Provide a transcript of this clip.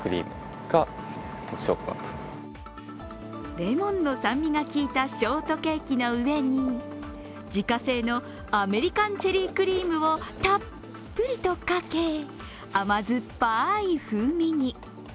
レモンの酸味が効いたショートケーキの上に自家製のアメリカンチェリークリームをたっぷりとかけ甘酸っぱい風味に。